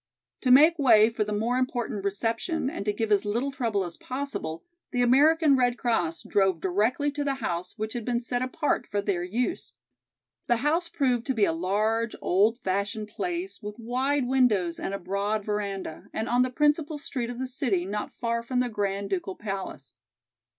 To make way for the more important reception and to give as little trouble as possible, the American Red Cross drove directly to the house which had been set apart for their use. The house proved to be a large, old fashioned place with wide windows and a broad veranda, and on the principal street of the city not far from the Grand Ducal Palace.